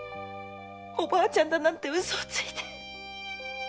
おばあちゃんだなんて嘘をついて。